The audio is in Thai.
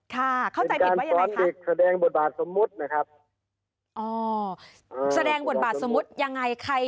ค่ะเข้าใจผิดไว้ยังไงครับ